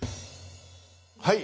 はい。